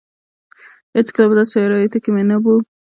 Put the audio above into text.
هېڅکله په داسې شرايطو کې مې نه بوه.